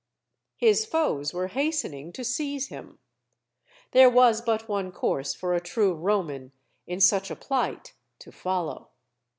His foes were hastening to seize him. There was but one course for a true Roman in such a plight to follow.